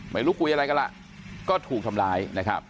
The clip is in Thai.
ไม่รู้๓๒๐ก็ถูกทำลายนะครับ